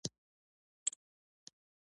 د تقاطع نقطه هغه ده چې تانجانتونه سره پرې کوي